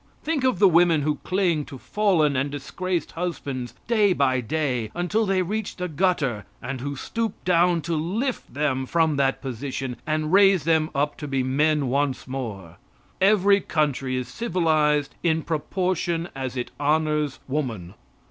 Think of the women who cling to fallen and disgraced husbands day by day, until they reach the gutter, and who stoop down to lift them from that position, and raise them up to be men once more! Every country is civilized in proportion as it honors woman.